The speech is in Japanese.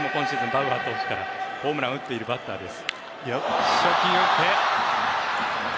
バウアー投手からホームランを打っているバッターです。